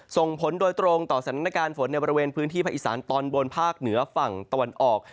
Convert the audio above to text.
ส่งผลโดยตรงต่อสถานการณ์ฝนในบริเวณพื้นที่ภาคอีสานตอนบนภาคเหนือฝั่งตะวันออก